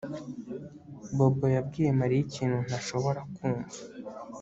Bobo yabwiye Mariya ikintu ntashobora kumva